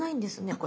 これ。